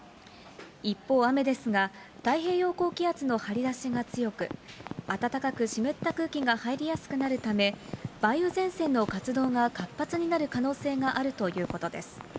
一方、雨ですが、太平洋高気圧の張り出しが強く、暖かく湿った空気が入りやすくなるため、梅雨前線の活動が活発になる可能性があるということです。